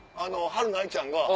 はるな愛ちゃんが。